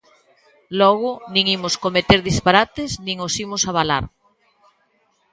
Logo, nin imos cometer disparates nin os imos avalar.